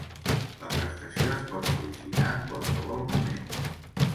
La prestació es pot sol·licitar en qualsevol moment.